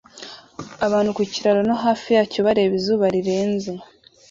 Abantu ku kiraro no hafi yacyo bareba izuba rirenze